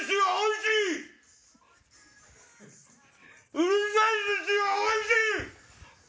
うるさい寿司はおいしい！